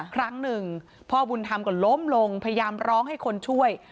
ครั้งหนึ่งพ่อบุญธรรมก็ล้มลงพยายามร้องให้คนช่วย